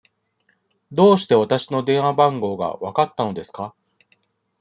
どうしてわたしの電話番号がわかったのですか。